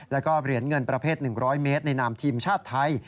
แล้วก็เหรียญเงินประเภท๑๐๐เมตรในนามทีมชาติไทย